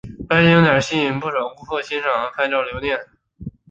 该景点吸引不少顾客欣赏和拍照留念。